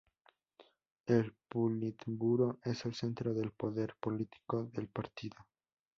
El Politburó es el centro del poder político del Partido.